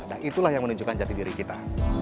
nah itulah yang menunjukkan jati diri kita